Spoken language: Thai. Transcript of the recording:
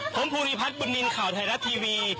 ผมภูริพัฒน์บุญนินทร์ข่าวไทยรัฐทีวี